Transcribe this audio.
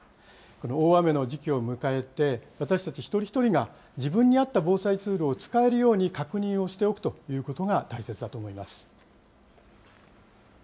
大雨の時期を迎えて、私たち一人一人が、自分に合った防災ツールを使えるように確認をしておくということが大切だと思います。